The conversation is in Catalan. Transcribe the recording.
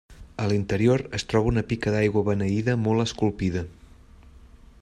A l'interior es troba una pica d'aigua beneïda molt esculpida.